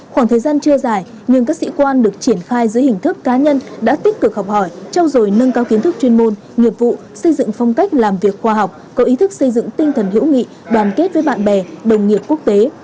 khoảng thời gian chưa dài nhưng các sĩ quan được triển khai dưới hình thức cá nhân đã tích cực học hỏi trao dồi nâng cao kiến thức chuyên môn nghiệp vụ xây dựng phong cách làm việc khoa học có ý thức xây dựng tinh thần hiểu nghị đoàn kết với bạn bè đồng nghiệp quốc tế